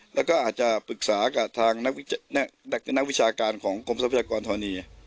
แล้วก็อาจจะปรึกษากับทางนักวิชาการของกรมทรัพยากรธรณี